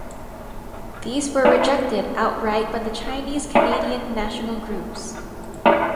These were rejected outright by the Chinese Canadian national groups.